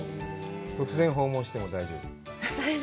突然訪問しても大丈夫。